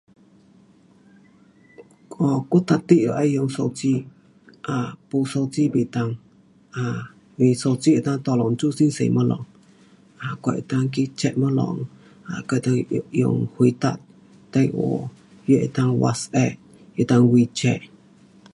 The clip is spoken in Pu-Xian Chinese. um 我，我一定得要用手机，um 没手机不能，啊，因为手机能够 tolong 做很多东西。um 我能够去 check 东西，um 能够用，回答电话，也能够 whatsapp, 能够 wechat